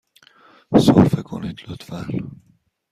سرفه کنید، لطفاً.